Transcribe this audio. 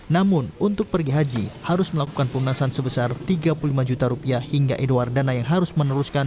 namun untuk pergi haji harus melakukan pelunasan sebesar tiga puluh lima juta rupiah hingga edoar dana yang harus meneruskan